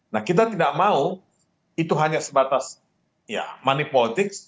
nah kita tidak mau itu hanya sebatas ya money politics